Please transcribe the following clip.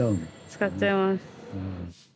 使っちゃいます。